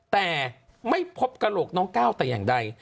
แต่ไม่พบกระโหลกน้องก้าวแต่อย่างใด